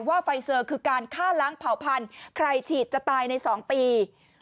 ไฟเซอร์คือการฆ่าล้างเผ่าพันธุ์ใครฉีดจะตายใน๒ปี